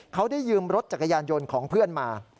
เขาได้ยืมรถจักรยานยนต์ของเพื่อนมา